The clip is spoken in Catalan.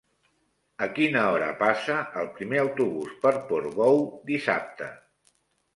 A quina hora passa el primer autobús per Portbou dissabte?